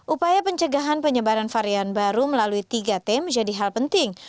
upaya pencegahan penyebaran varian baru melalui tiga t menjadi hal penting